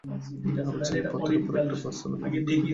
আমি চাইলেই পথের ওপর একটা পাঁচতলা বিল্ডিং তুলে ফেলতে পারি না।